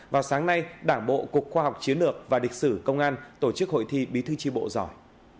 vào sáng nay đảng bộ cục khoa học chiến lược và lịch sử công an tổ chức hội thi bí thư tri bộ giỏi